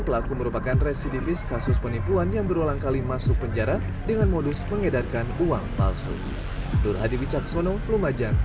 pelaku merupakan residivis kasus penipuan yang berulang kali masuk penjara dengan modus mengedarkan uang palsu